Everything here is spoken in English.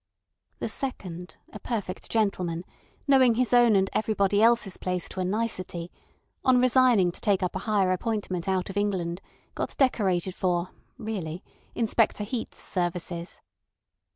The second, a perfect gentleman, knowing his own and everybody else's place to a nicety, on resigning to take up a higher appointment out of England got decorated for (really) Inspector Heat's services.